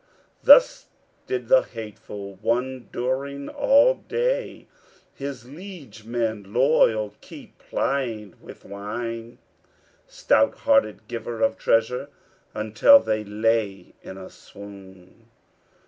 Thus did the hateful one during all day His liege men loyal keep plying with wine, Stout hearted giver of treasure, until they lay in a swoon.